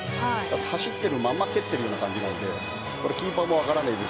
走っている間負けてるような感じなのでキーパーも分からないです。